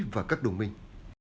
và các đồng minh